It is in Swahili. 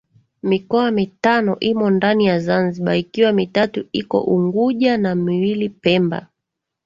Mikoa mitano imo ndani ya Zanzibar ikiwa mitatu iko Unguja na miwili Pemba